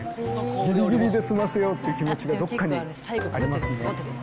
ぎりぎりで済ませようって気持ちがどっかにありますね。